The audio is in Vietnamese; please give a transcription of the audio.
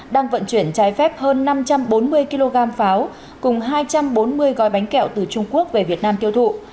đang vận chuyển trái phép hơn năm trăm bốn mươi kg pháo cùng hai trăm bốn mươi gói bánh kẹo từ trung quốc về việt nam tiêu thụ